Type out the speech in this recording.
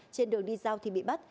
trên đường đi giao thì bị bắt